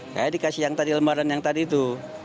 saya dikasih yang tadi lembaran yang tadi itu